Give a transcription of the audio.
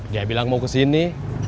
dia bilang mau ke sini